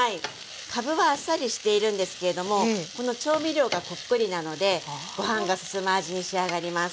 かぶはあっさりしているんですけれどもこの調味料がこっくりなのでご飯がすすむ味に仕上がります。